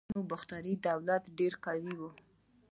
د یونانو باختري دولت ډیر قوي و